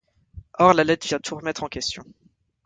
Or, la lettre vient tout remettre en question.